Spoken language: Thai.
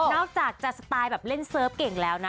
นอกจากจะสไตล์แบบเล่นเซิร์ฟเก่งแล้วนะ